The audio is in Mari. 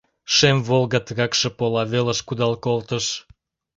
Шем «Волга» тыгак шып ола велыш кудал колтыш.